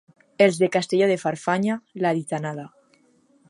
Els de Castelló de Farfanya, la gitanada.